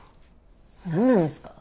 何なんですか。